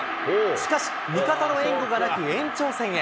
しかし、味方の援護がなく、延長戦へ。